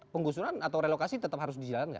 penggusuran atau relokasi tetap harus dijalankan